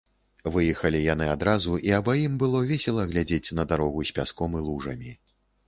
Выехалі яны адразу, і абаім было весела глядзець на дарогу з пяском і лужамі.